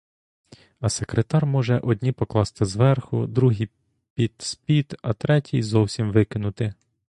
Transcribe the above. А секретар може одні покласти зверху, другі під спід, а треті й зовсім викинути.